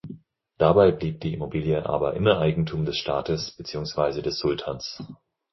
Dabei blieb die Immobilie aber immer Eigentum des Staates beziehungsweise des Sultans.